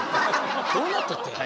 どうなっとってん。